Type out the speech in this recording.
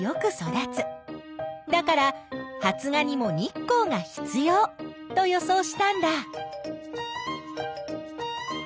だから発芽にも日光が必要と予想したんだ。